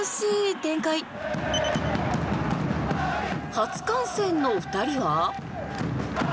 初観戦の２人は。